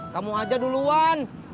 kamu aja duluan